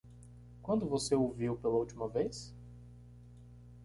Quando você o viu pela última vez?